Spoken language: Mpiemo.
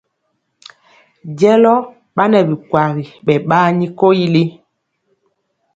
Jɛlɔ ɓa nɛ bikwagi ɓɛ ɓaani koyili.